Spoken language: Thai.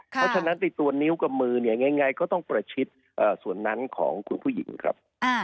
เพราะฉะนั้นตัวนิ้วกับมือเนี่ยยังไงก็ต้องประชิดส่วนนั้นของคุณผู้หญิงครับ